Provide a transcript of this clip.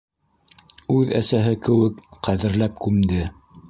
Үҙ әсәһе кеүек ҡәҙерләп күмде.